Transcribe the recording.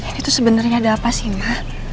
ini tuh sebenernya ada apa sih ma